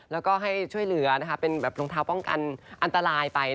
แล้วก็ให้ช่วยเหลือเป็นแบบรองเท้าป้องกันอันตรายไป